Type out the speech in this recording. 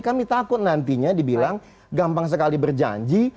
kami takut nantinya dibilang gampang sekali berjanji